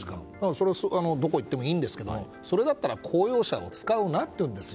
それはどこに行ってもいいんですがそれだったら公用車を使うなっていうんですよ。